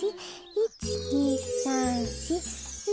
１２３４。